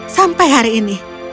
sampai hari ini